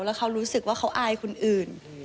แล้วเขารู้สึกว่าเขาอายคนอื่น